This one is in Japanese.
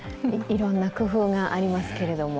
いろんな工夫がありますけれども。